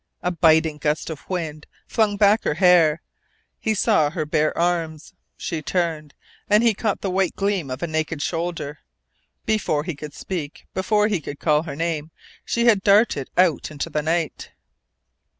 A biting gust of wind flung back her hair. He saw her bare arms; she turned, and he caught the white gleam of a naked shoulder. Before he could speak before he could call her name, she had darted out into the night!